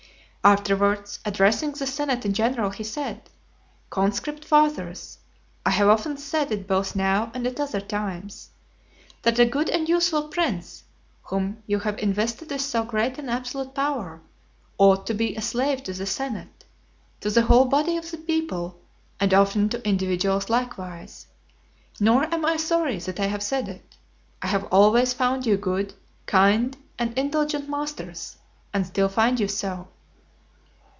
Afterwards, addressing the senate in general, he said: "Conscript Fathers, I have often said it both now and at other times, that a good (212) and useful prince, whom you have invested with so great and absolute power, ought to be a slave to the senate, to the whole body of the people, and often to individuals likewise: nor am I sorry that I have said it. I have always found you good, kind, and indulgent masters, and still find you so."